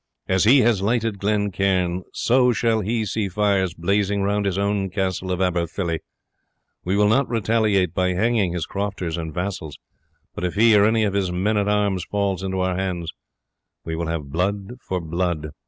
As he has lighted Glen Cairn, so shall he see fires blazing round his own castle of Aberfilly. We will not retaliate by hanging his crofters and vassals; but if he or any of his men at arms falls into our hands, we will have blood for blood."